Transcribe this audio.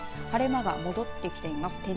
晴れ間が戻ってきています。